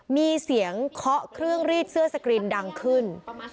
มีเสียงเคาะเครื่องรีดเสื้อสกรีนดังขึ้น